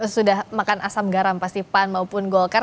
sudah makan asam garam pasti pan maupun golkar